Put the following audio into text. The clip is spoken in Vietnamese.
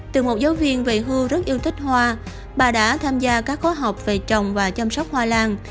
từ một giáo viên về hưu rất yêu thích hoa bà đã tham gia các khóa học về trồng và chăm sóc hoa lan